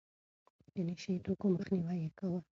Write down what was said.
د نشه يي توکو مخنيوی يې کاوه.